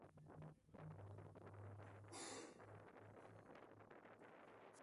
Se dice que el famoso arquitecto Christopher Wren asistió al diseño.